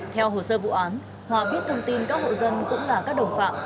theo hồ sơ vụ án hòa biết thông tin các hộ dân cũng là các đồng phạm